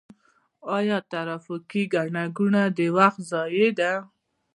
آیا ټرافیکي ګڼه ګوڼه د وخت ضایع ده؟